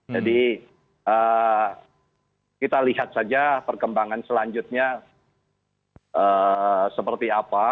jadi kita lihat saja perkembangan selanjutnya seperti apa